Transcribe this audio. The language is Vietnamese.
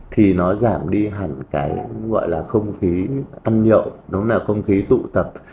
thì nó giảm đi hẳn cái gọi là không khí ăn nhậu không khí tụ tập